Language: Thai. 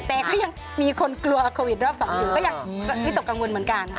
แต่ก็ยังมีคนกลัวโควิดรอบ๒อยู่ก็ยังไม่ตกกังวลเหมือนกันค่ะ